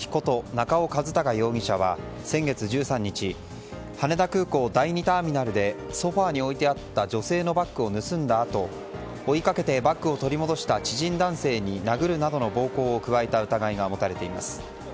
中尾和貴容疑者は先月１３日羽田空港第２ターミナルでソファに置いてあった女性のバッグを盗んだあと追いかけて、バッグを取り戻した知人男性に殴るなどの暴行を加えた疑いが持たれています。